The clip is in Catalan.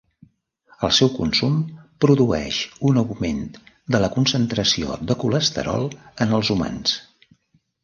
El seu consum produeix un augment de la concentració de colesterol en els humans.